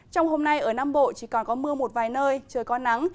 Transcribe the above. trong hôm nay ở nam bộ chỉ còn có mưa một vài nơi trời có nắng